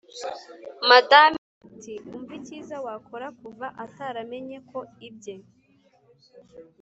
madame ati"umva icyiza wakora kuva ataramenya ko ibye